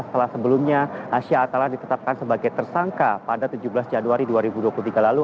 setelah sebelumnya hasha atala ditetapkan sebagai tersangka pada tujuh belas januari dua ribu dua puluh tiga lalu